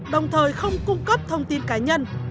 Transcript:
đồng thời không cung cấp thông tin cá nhân